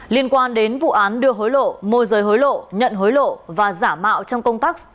liên quan đến vụ án đưa hối lộ môi giới hối lộ nhận hối lộ và giả mạo trong công tác